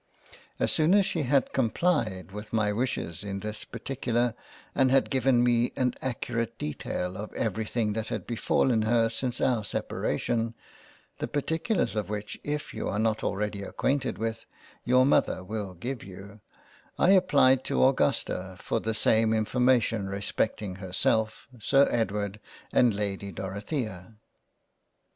As soon as she had complyed with my wishes in this particular and had given me an accurate detail of every thing that had befallen her since our separation (the particulars of which if you are not already acquainted with, your Mother will give you) I applied to Augusta for the same information respecting herself, Sir Edward and Lady Dorothea.